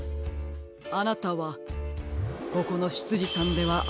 あなたはここのしつじさんではありませんね？